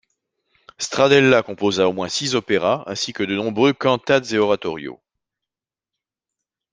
Stradella composa au moins six opéras, ainsi que de nombreux cantates et oratorios.